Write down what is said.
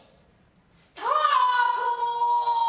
スタート！